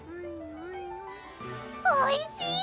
おいしい！